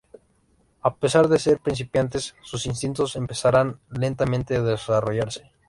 A pesar de ser principiantes, sus instintos empezarán lentamente a desarrollarse.